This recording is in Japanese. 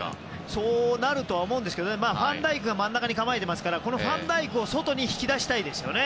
そうなると思いますがファンダイクが真ん中に構えているのでこのファンダイクを外に引き出したいですよね